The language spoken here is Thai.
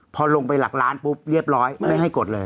พอลงไปหลักล้านปุ๊บเรียบร้อยไม่ให้กดเลย